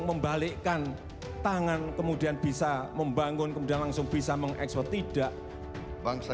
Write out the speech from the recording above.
membalikkan tangan kemudian bisa membangun kemudian langsung bisa mengekspor tidak bangsa